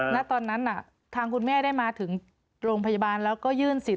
ณตอนนั้นทางคุณแม่ได้มาถึงโรงพยาบาลแล้วก็ยื่นสิทธ